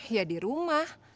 ya di rumah